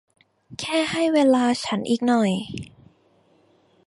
แค่ให้เวลาฉันอีกหน่อย